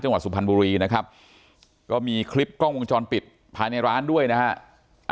สุพรรณบุรีนะครับก็มีคลิปกล้องวงจรปิดภายในร้านด้วยนะฮะ